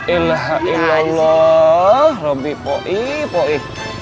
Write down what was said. ilahillah robby poipoi